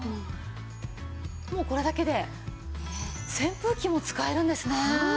もうこれだけで扇風機も使えるんですね。